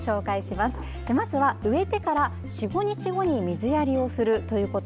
まずは、植えてから４５日後に水やりをするということ。